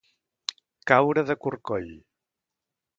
Caure de corcoll.